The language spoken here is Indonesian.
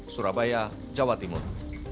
surabaya jawa timur